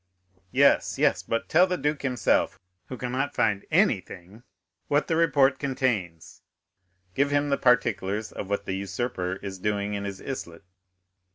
"Yes, yes; but tell the duke himself, who cannot find anything, what the report contains—give him the particulars of what the usurper is doing in his islet."